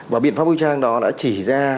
và biện pháp vũ trang đó đã chỉ ra